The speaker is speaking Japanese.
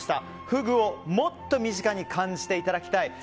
フグをもっと身近に感じていただきたい。